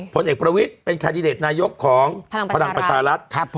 ผลเอกประวิทย์เป็นคาดิเดตนายกของพลังประชารัฐ